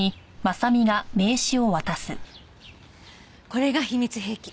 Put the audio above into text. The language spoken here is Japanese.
これが秘密兵器。